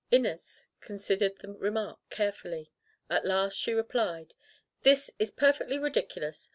Inez considered the remark carefully. At last she replied: "This is perfectly ridicu lous.